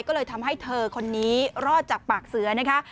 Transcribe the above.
ก็เลยทำให้เธอคนนี้รอดจากปากเสือนะคะ